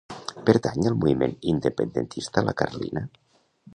Pertany al moviment independentista la Carlina?